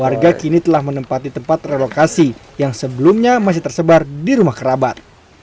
warga kini telah menempati tempat relokasi yang sebelumnya masih tersebar di rumah kerabat